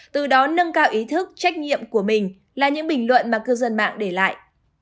từ đó nâng cao ý thức trách nhiệm của mình là những bình luận mà cư dân mạng để lại